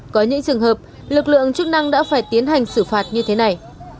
có những trường hợp lực lượng chức năng đã phải tiến hành xử phạt như thế này